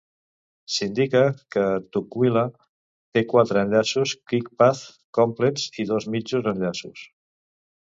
S'indica que Tukwila té quatre enllaços QuickPath "complets" i dos "mitjos" enllaços.